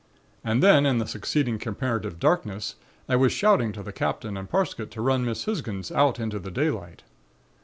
And then in the succeeding comparative darkness, I was shouting to the Captain and Parsket to run Miss Hisgins out into the daylight.